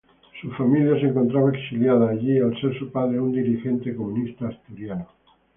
Su familia se encontraba exiliada allí, al ser su padre un dirigente comunista asturiano.